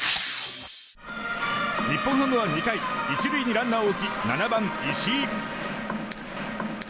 日本ハムは２回１塁にランナーを置き７番、石井。